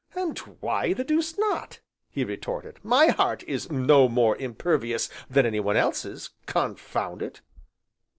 "And why the deuce not?" he retorted, "my heart is no more impervious than anyone else's, confound it!"